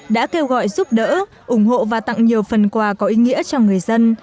đã kêu gọi giúp đỡ ủng hộ và tặng nhiều phần quà có ý nghĩa cho người dân